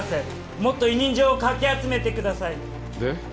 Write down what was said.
もっと委任状をかき集めてくださいで？